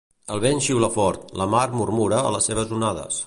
El vent xiula fort, la mar murmura a les seves onades.